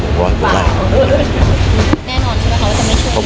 แน่นอนใช่ไหมคะว่าจะไม่ช่วย